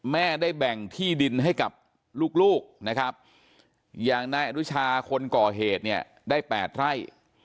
แม่ได้แบ่งที่ดินให้กับลูกนะครับอย่างนายอนุชาคนก่อเหตุเนี่ยได้๘ไร่